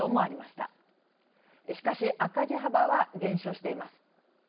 しかし赤字幅は減少しています。